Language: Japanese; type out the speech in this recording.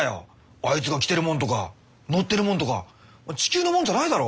あいつが着てるもんとか乗ってるもんとか地球のもんじゃないだろ？